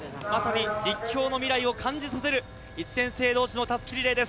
立教の未来を感じさせる１年生同士の襷リレーです。